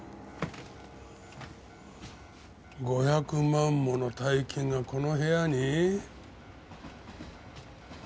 ５００万もの大金がこの部屋に？